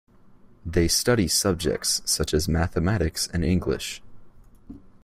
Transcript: They study subjects such as mathematics and English.